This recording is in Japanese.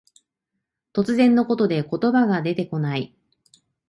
突然のことで言葉が出てこない。